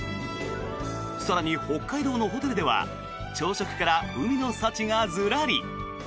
更に北海道のホテルでは朝食から海の幸がずらり。